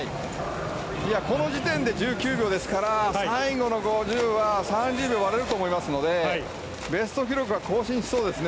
この時点で１９秒ですから最後の５０は３０秒を割れると思いますのでベスト記録が更新しそうですね。